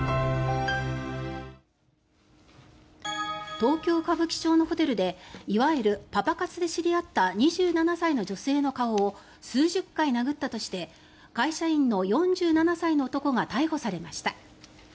東京・歌舞伎町のホテルでいわゆるパパ活で知り合った２７歳の女性の顔を数十回殴ったとして会社員の４７歳の男が逮捕されました。